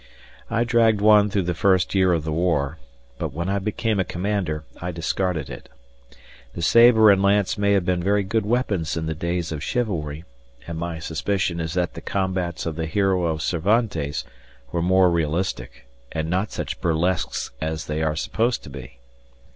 I dragged one through the first year of the war, but when I became a commander, I discarded it. The sabre and lance may have been very good weapons in the days of chivalry, and my suspicion is that the combats of the hero of Cervantes were more realistic and not such burlesques as they are supposed to be.